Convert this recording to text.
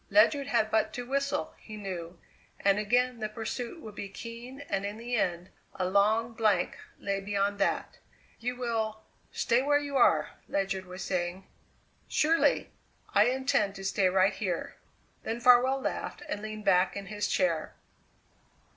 Ledyard had but to whistle, he knew, and again the pursuit would be keen, and in the end a long blank lay beyond that! "You will stay where you are!" Ledyard was saying. "Surely. I intend to stay right here." Then Farwell laughed and leaned back in his chair.